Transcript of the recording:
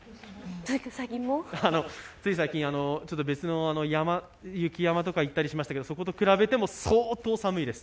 つい最近、別の雪山とか行ったりしましたけど、そこと比べても相当寒いです。